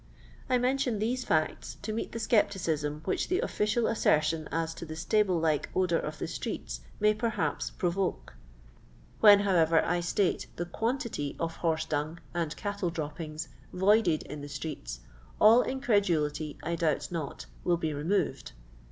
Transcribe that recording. I mention these fiwU to meet the scepticism which the official assertion as to the stable like odour of the streeU may, perhaps, provoke. When, however, I stato the quantity of horse dung and " cattle droppbgs " voided in the streets, all incredulity, I doubt not, will be re moved.